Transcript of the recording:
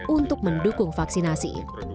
untuk mendukung vaksinasi